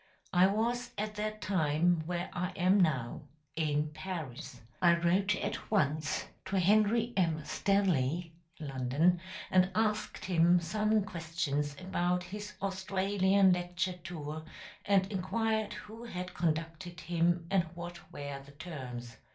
I was at that time where I am now in Paris. I wrote at once to Henry M. Stanley (London), and asked him some questions about his Australian lecture tour, and inquired who had conducted him and what were the terms.